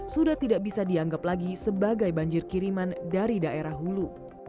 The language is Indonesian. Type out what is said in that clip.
sudah tidak bisa dianggap lagi sebagai banjir kiriman dari daerah hulu